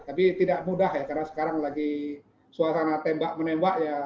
tapi tidak mudah ya karena sekarang lagi suasana tembak menembak ya